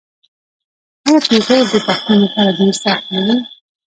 آیا پېغور د پښتون لپاره ډیر سخت نه دی؟